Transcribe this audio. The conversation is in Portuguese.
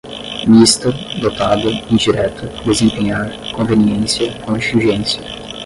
mista, dotada, indireta, desempenhar, conveniência, contingência